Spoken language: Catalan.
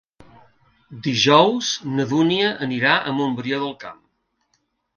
Dijous na Dúnia anirà a Montbrió del Camp.